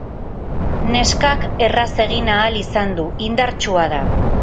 Neskak erraz egin ahal izan du, indartsua da.